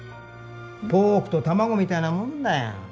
ポークと卵みたいなもんだよ。